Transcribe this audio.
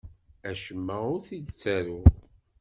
Acemma ur t-id-ttaruɣ.